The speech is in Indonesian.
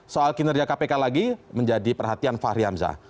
soal kinerja kpk lagi menjadi perhatian fahri hamzah